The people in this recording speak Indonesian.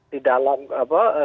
di dalam apa